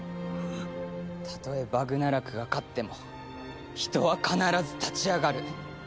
たとえバグナラクが勝っても人は必ず立ち上がる。